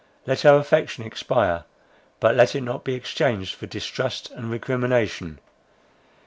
Let our affection expire—but let it not be exchanged for distrust and recrimination.